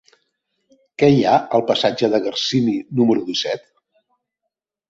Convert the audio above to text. Què hi ha al passatge de Garcini número disset?